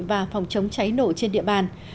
và phòng chống cháy nổ trên địa bàn